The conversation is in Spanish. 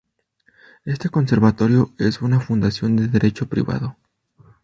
Este conservatorio es una fundación de derecho privado.